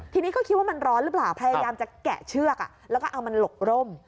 ทีนี้ก็คิดว่ามันร้อนหรือเปล่าพยายามจะแกะเชือกแล้วก็เอามันหลกร่ม